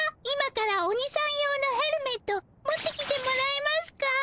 今からオニさん用のヘルメット持ってきてもらえますか？